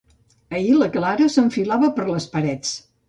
Ahir la Clara s'enfilava per les parets.